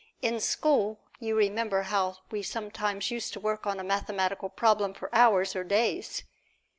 In school, you remember how we sometimes used to work on a mathematical problem for hours or days.